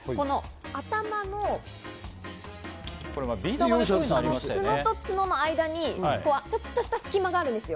頭の角と角の間にちょっとした隙間があるんですよ。